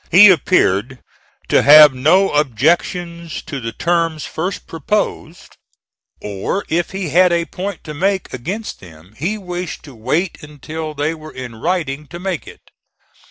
He appeared to have no objections to the terms first proposed; or if he had a point to make against them he wished to wait until they were in writing to make it.